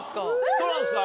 そうなんですか？